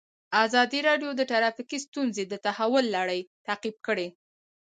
ازادي راډیو د ټرافیکي ستونزې د تحول لړۍ تعقیب کړې.